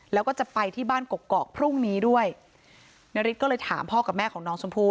แล้วก็จะไปที่บ้านกกอกพรุ่งนี้ด้วยนาริสก็เลยถามพ่อกับแม่ของน้องชมพู่